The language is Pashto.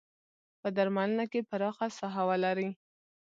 په درملنه کې پراخه ساحه ولري.